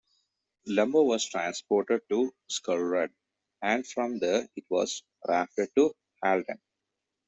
Lumber was transported to Skulreud and from there it was rafted to Halden.